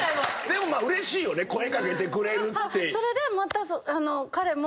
でもうれしいよね声掛けてくれるって。